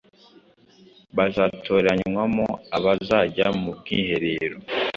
bazatoranywamo abazajya mu mwiherero